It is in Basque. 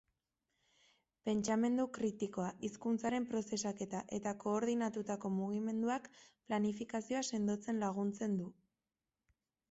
Pentsamendu kritikoa, hizkuntzaren prozesaketa eta koordinatutako mugimenduak planifiikazioa sendotzen laguntzen du.